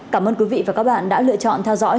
cảm ơn quý vị và các bạn đã lựa chọn theo dõi